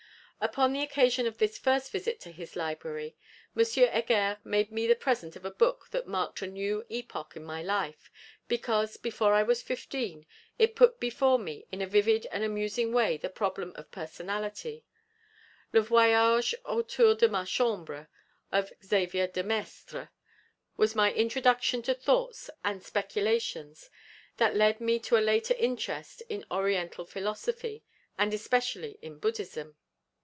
Upon the occasion of this first visit to his library, M. Heger made me the present of a book that marked a new epoch in my life, because, before I was fifteen, it put before me in a vivid and amusing way the problem of personality, Le Voyage autour de ma Chambre of Xavier de Maistre, was my introduction to thoughts and speculations that led me to a later interest in Oriental philosophy, and especially in Buddhism.